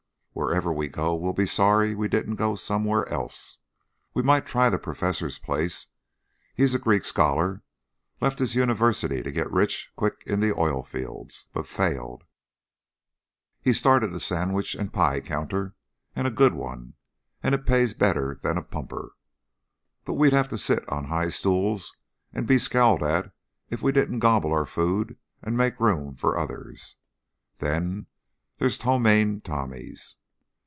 "Wherever we go, we'll be sorry we didn't go somewhere else. We might try the Professor's place. He's a Greek scholar left his university to get rich quick in the oil fields, but failed. He started a sandwich and pie counter a good one and it pays better than a pumper. But we'd have to sit on high stools and be scowled at if we didn't gobble our food and make room for others. Then there is Ptomaine Tommy's.